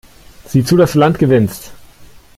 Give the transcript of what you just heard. Sieh zu, dass du Land gewinnst!